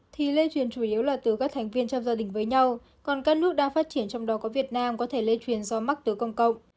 thì lây truyền chủ yếu là từ các thành viên trong gia đình với nhau còn các nước đang phát triển trong đó có việt nam có thể lây truyền do mắc từ công cộng